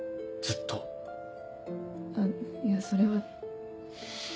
あっいやそれは。